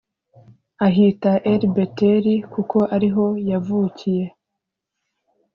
ahita Eli Beteli kuko ari ho yavukiye